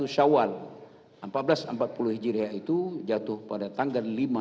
satu syawal seribu empat ratus empat puluh hijriah itu jatuh pada tanggal lima